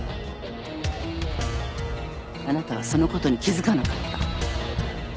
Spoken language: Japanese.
あなたはそのことに気付かなかった。